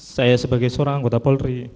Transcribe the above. saya sebagai seorang anggota polri